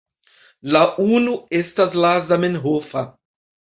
La unu estas la zamenhofa.